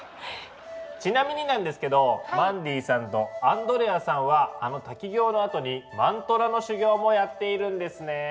ちなみになんですけどマンディさんとアンドレアさんはあの滝行のあとにマントラの修行もやっているんですね。